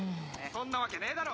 そんなわけねえだろ！